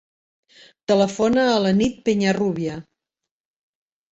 Telefona a la Nit Peñarrubia.